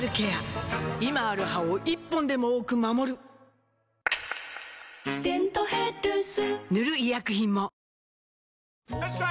今ある歯を１本でも多く守る「デントヘルス」塗る医薬品もよしこい！